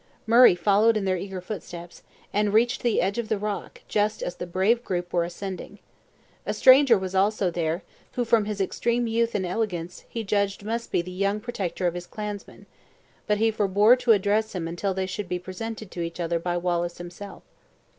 Murray followed their eager footsteps, and reached the edge of the rock just as the brave group were ascending. A stranger was also there, who, from his extreme youth and elegance, he judged must be the young protector of his clansmen; but he forbore to address him until they should be presented to each other by Wallace himself.